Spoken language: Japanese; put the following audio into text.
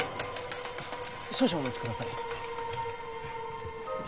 少々お待ちください